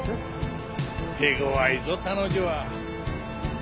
手ごわいぞ彼女は。